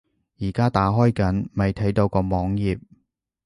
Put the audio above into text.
而家打開緊，未睇到個網頁￼